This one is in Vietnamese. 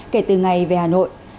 kể từ ngày về hà nội